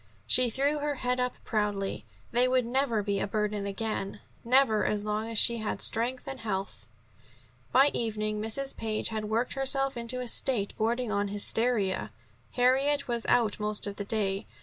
She threw her head up proudly. They would never be a burden again never, as long as she had strength and health! By evening Mrs. Page had worked herself into a state bordering on hysteria. Harriet was out most of the day.